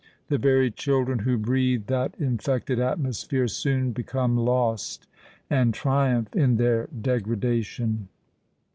The very children who breathe that infected atmosphere soon become lost, and triumph in their degradation!